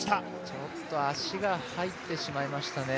ちょっと足が入ってしまいましたね。